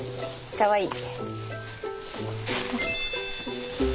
かわいい。